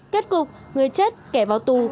kết cục người chết kẻ vào tù